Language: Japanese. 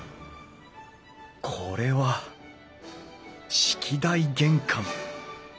これは式台玄関。